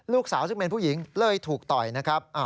ลูกสาวซึ่งเป็นผู้หญิงเลยถูกต่อยนะครับ